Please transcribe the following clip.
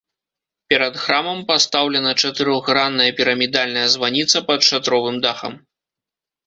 Перад храмам пастаўлена чатырохгранная пірамідальная званіца пад шатровым дахам.